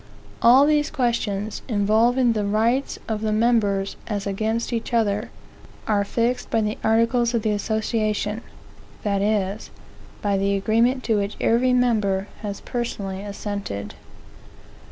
All these questions, involving the rights of the members as against each other, are fixed by the articles of the association, that is, by the agreement to which every member has personally assented.